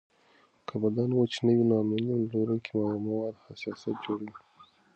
که بدن وچ نه وي، المونیم لرونکي مواد حساسیت جوړوي.